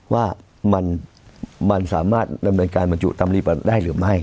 ว่ามันสามารถดำเนินการบรรจุตำรีได้หรือไม่